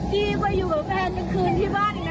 ดีกว่าอยู่กับแฟนเมื่อคืนที่บ้านอีกนะคะ